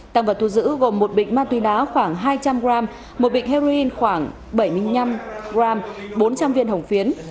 tăng vật thu giữ gồm một bịch ma túy đá khoảng hai trăm linh g một bịch heroin khoảng bảy mươi năm g bốn trăm linh viên hồng phiến